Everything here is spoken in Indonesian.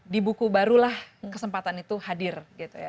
di buku barulah kesempatan itu hadir gitu ya